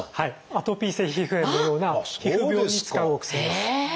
アトピー性皮膚炎のような皮膚病に使うお薬です。